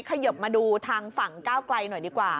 ขยบมาดูทางฝั่งก้าวไกลหน่อยดีกว่า